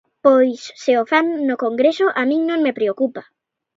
Pois, se o fan no Congreso, a min non me preocupa.